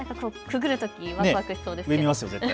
くぐるときわくわくしそうですね。